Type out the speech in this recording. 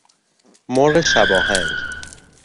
مرغ شب آهنگ